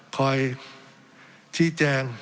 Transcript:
คอยชี้แจง